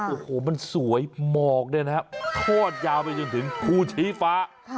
โอ้โหมันสวยหมอกเนี่ยนะครับทอดยาวไปจนถึงภูชีฟ้า